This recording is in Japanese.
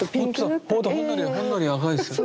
ほんのり赤いです。